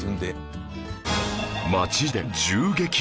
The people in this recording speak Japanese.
街で銃撃